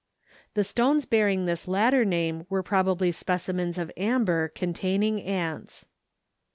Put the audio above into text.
The stones bearing this latter name were probably specimens of amber containing ants.